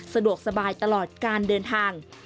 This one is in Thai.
สะดวกสบายตลอดการเดินทาง